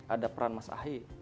ada peran mas ahy